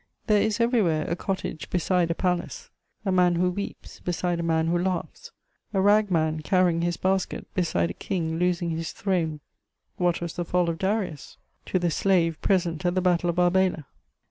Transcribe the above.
There is everywhere a cottage beside a palace, a man who weeps beside a man who laughs, a ragman carrying his basket beside a king losing his throne: what was the fall of Darius to the slave present at the Battle of Arbela?